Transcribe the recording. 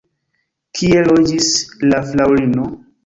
Kie loĝis la fraŭlino?